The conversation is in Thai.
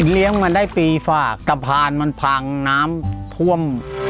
เลี้ยงมันได้ปีฝากตะพรรดณ์ผังน้ำถวม